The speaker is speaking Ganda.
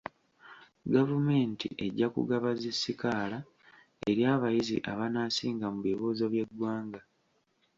Gavumenti ejja kugaba zi sikaala eri abayizi abanaasinga mu bibuuzo by'eggwanga.